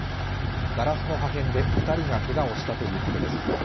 ガラスの破片で２人がけがをしたということです。